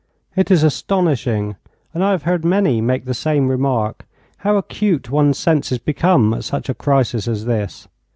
It is astonishing and I have heard many make the same remark how acute one's senses become at such a crisis as this.